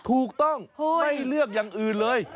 ถูกต้องไม่เลือกอย่างอื่นเลย